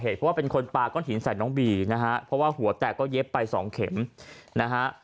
เพราะว่าเป็นคนปลาก้อนหินใส่น้องบีนะฮะเพราะว่าหัวแตกก็เย็บไปสองเข็มนะฮะ